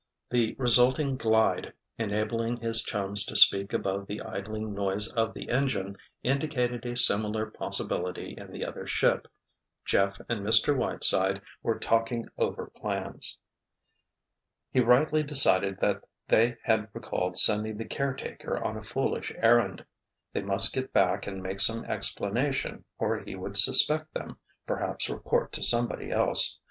The resulting glide, enabling his chums to speak above the idling noise of the engine, indicated a similar possibility in the other ship—Jeff and Mr. Whiteside were talking over plans. He rightly decided that they had recalled sending the caretaker on a foolish errand. They must get back and make some explanation or he would suspect them, perhaps report to somebody else.